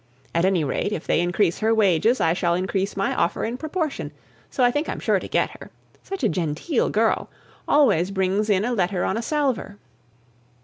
At any rate, if they increase her wages, I shall increase my offer in proportion; so I think I'm sure to get her. Such a genteel girl! always brings in a letter on a salver!"